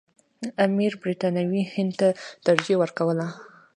امیر برټانوي هند ته ترجیح ورکوله.